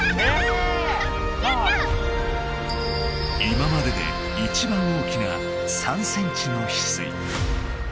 今まででいちばん大きな３センチのヒスイ。